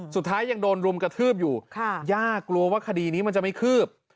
สุดท้ายยังโดนรุมกระทืบอยู่ย่ากลัวว่าคดีนี้มันจะไม่คืบ